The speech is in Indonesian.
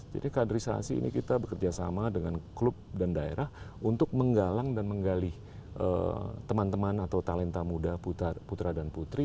kaderisasi ini kita bekerja sama dengan klub dan daerah untuk menggalang dan menggali teman teman atau talenta muda putra dan putri